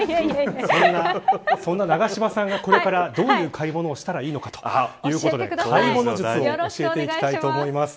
そんな永島さんがこれからどういう買い物をしたらいいのかということで買い物術を見ていきます。